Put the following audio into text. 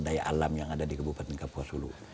daya alam yang ada di kabupaten kapuasulu